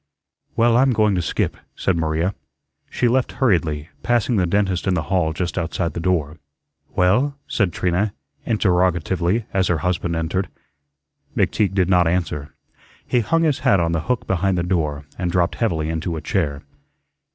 "Well, I'm going to skip," said Maria. She left hurriedly, passing the dentist in the hall just outside the door. "Well?" said Trina interrogatively as her husband entered. McTeague did not answer. He hung his hat on the hook behind the door and dropped heavily into a chair.